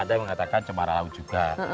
ada yang mengatakan cemara laut juga